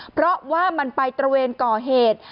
เพราะว่ามันไปตระเวนก่อเหตุ